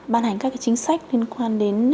ban hành các chính sách liên quan đến